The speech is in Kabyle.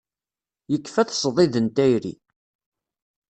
Yekfa-t ṣṣdid n tayri.